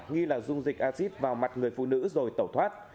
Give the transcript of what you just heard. nghi là dung dịch acid vào mặt người phụ nữ rồi tẩu thoát